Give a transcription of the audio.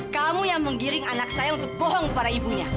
kamu yang menggiring anak saya untuk bohong kepada ibunya